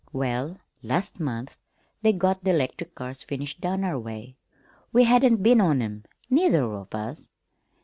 "Well, last month they got the 'lectric cars finished down our way. We hadn't been on 'em, neither of us.